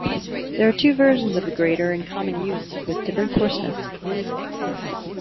There are two versions of the grater in common use with different coarseness.